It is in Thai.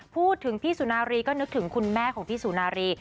พูดถึงพี่สุนารีก็นึกถึงคุณแม่ของพี่สุนารี